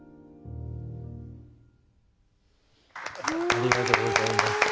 ありがとうございます。